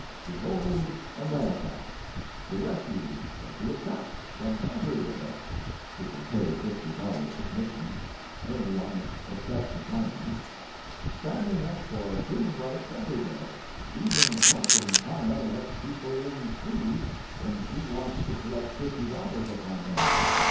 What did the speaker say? Behold America, the refuge of the oppressed from everywhere (who can pay fifty dollars' admission)—any one except a Chinaman—standing up for human rights everywhere, even helping China let people in free when she wants to collect fifty dollars upon them.